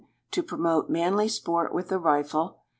To promote manly sport with the rifle.